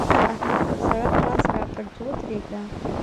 احمد پر سړک لاس راکړ چې ودرېږه!